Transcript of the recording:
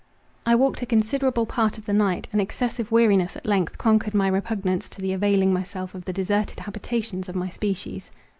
I walked a considerable part of the night, and excessive weariness at length conquered my repugnance to the availing myself of the deserted habitations of my species.